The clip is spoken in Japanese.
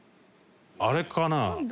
あれかな？